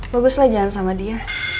baguslah jangan sama dia